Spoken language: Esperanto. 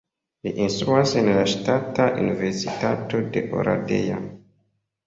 Li instruas en la Ŝtata Universitato de Oradea.